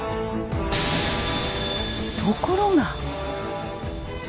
ところが。